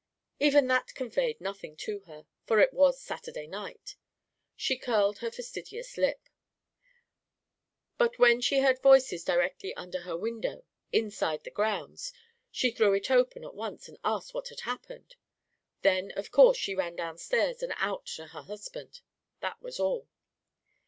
Even that conveyed nothing to her, for it was Saturday night she curled her fastidious lip. But when she heard voices directly under her window, inside the grounds, she threw it open at once and asked what had happened. Then of course she ran downstairs and out to her husband. That was all.